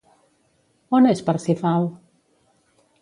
On és Parsifal?